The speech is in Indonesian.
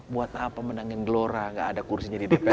buat apa menangin gelora gak ada kursinya di dpr